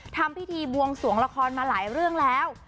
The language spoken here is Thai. ทำพิธีบวงสวงละครมาหลายเรื่องแล้ว